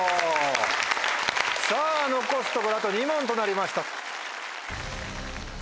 さぁ残すところあと２問となりました。